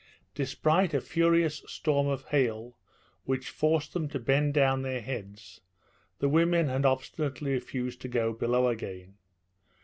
Despite a furious storm of hail which forced them to bend down their heads, the women had obstinately refused to go below again.